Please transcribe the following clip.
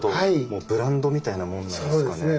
もうブランドみたいなものなんですかね？